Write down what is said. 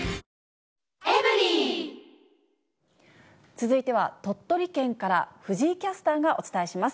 続いては鳥取県から、藤井キャスターがお伝えします。